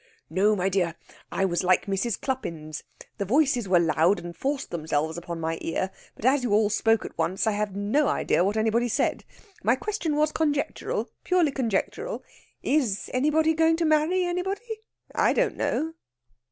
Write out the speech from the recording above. "No, my dear, I was like Mrs. Cluppins. The voices were loud, and forced themselves upon my ear. But as you all spoke at once, I have no idea what anybody said. My question was conjectural purely conjectural. Is anybody going to marry anybody? I don't know."